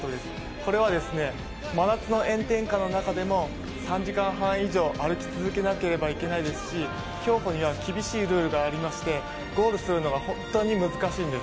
これは真夏の炎天下の中でも３時間半以上歩き続けなければいけないですし競歩には厳しいルールがありましてゴールするのが本当に難しいんです。